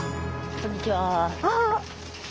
こんにちは。